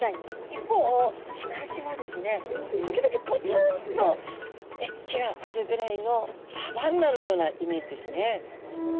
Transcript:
一方砂地はですね時々ぽつんと木があるぐらいのサバンナのようなイメージですね。